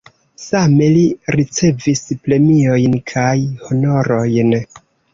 Same li ricevis premiojn kaj honorojn.